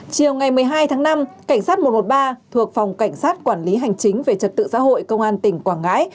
chiều ngày một mươi hai tháng năm cảnh sát một trăm một mươi ba thuộc phòng cảnh sát quản lý hành chính về trật tự xã hội công an tỉnh quảng ngãi